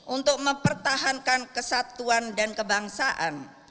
untuk mempertahankan kesatuan dan kebangsaan